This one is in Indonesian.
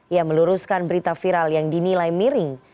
ia meluruskan berita viral yang dinilai miring